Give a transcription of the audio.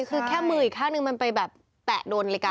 คือแค่มืออีกข้างนึงมันไปแบบแตะโดนเหล็ก